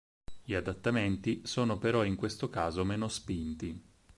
Gli adattamenti sono però in questo caso meno spinti.